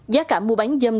giá cả mua bán dâm